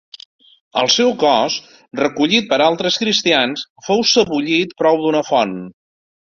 El seu cos, recollit per altres cristians, fou sebollit prop d'una font.